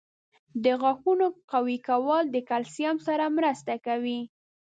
• د غاښونو قوي کول د کلسیم سره مرسته کوي.